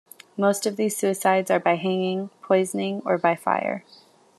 Most of these suicides are by hanging, poisoning or by fire.